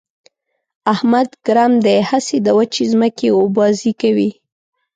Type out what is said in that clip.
احمد ګرم دی؛ هسې د وچې ځمکې اوبازي کوي.